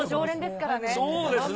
そうですね。